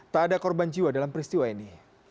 tak ada korban jiwa dalam peristiwa ini